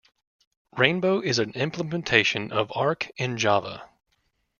Rainbow is an implementation of Arc in Java.